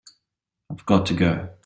I've got to go.